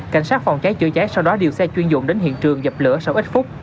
cảnh sát phòng cháy chữa cháy sau đó điều xe chuyên dụng đến hiện trường dập lửa sau ít phút